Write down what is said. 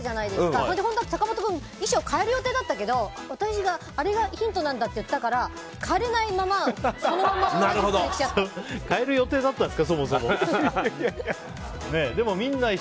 それで坂本君衣装変える予定だったけどあれがヒントなんだって言ったから、変えれないまま変える予定だったんですか？